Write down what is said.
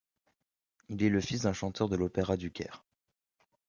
Il est le fils d’un chanteur de l’Opéra du Caire.